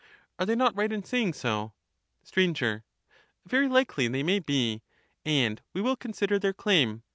Are they not right in saying so ? ment of Str. Very likely they may be, and we will consider their ^^^ herd, claim.